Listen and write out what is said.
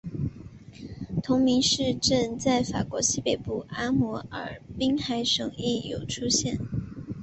同名市镇在法国西北部的阿摩尔滨海省亦有出现。